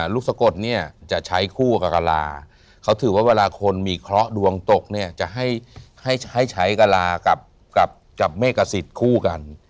ลูกสะกดเนี่ยจะใช้คู่กับกะลาเขาถือว่าเวลาคนมีเคราะห์ดวงตกเนี่ยจะให้ใช้กะลากับเมกสิทธิ์คู่กัน